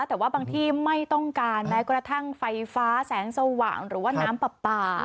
แต่ว่าบางที่ไม่ต้องการแม้กระทั่งไฟฟ้าแสงสว่างหรือว่าน้ำปลา